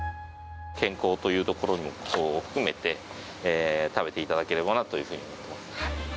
健康というところを含めて、食べていただければなというふうに思っています。